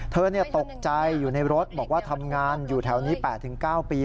เธอตกใจอยู่ในรถบอกว่าทำงานอยู่แถวนี้๘๙ปี